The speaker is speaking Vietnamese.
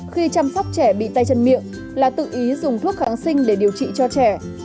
khi chăm sóc trẻ bị tay chân miệng là tự ý dùng thuốc kháng sinh để điều trị cho trẻ